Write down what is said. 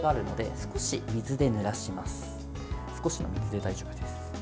少しの水で大丈夫です。